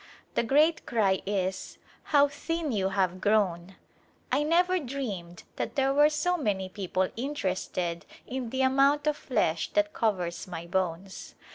The great cry is, " How thin you have grown !" I never dreamed that there were so many people interested in the amount of flesh that covers my bones.